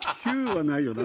はないよな。